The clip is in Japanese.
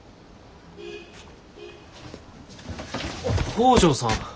北條さん。